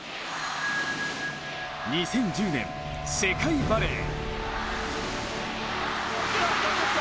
２０１０年、世界バレー。